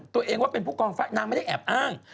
ตัวเองว่าเป็นผู้กองไฟนางไม่ได้แอบอ้าง